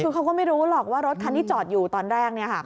คือเขาก็ไม่รู้หรอกว่ารถคันที่จอดอยู่ตอนแรก